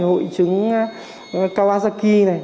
hội trứng kawasaki này